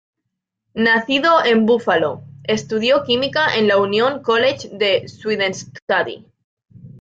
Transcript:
Nacido en Buffalo, estudió química en el Union College de Schenectady.